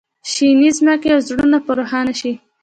شینې ځمکې او زړونه په روښانه شي.